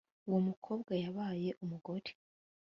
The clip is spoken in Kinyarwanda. Uwo mukobwa yabaye umugore